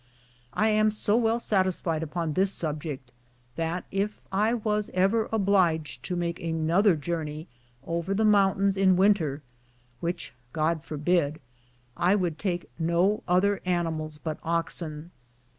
I am so well satisfied upon this subject that, if I was ever obliged to make another journey over the mountains in winter (which God forbid), I would take no other animals but oxen.